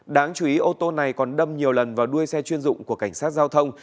đáng chú ý ô tô này còn đâm nhiều lần vào đuôi xe chuyên dụng của cảnh sát giao thông